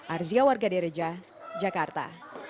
arzia warga dereja jakarta